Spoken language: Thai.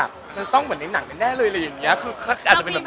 มันต้องเหมือนในหนังกันแน่เลยอะไรอย่างเงี้ยคืออาจจะเป็นแบบ